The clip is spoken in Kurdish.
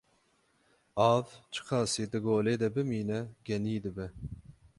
Av çi qasî di golê de bimîne, genî dibe.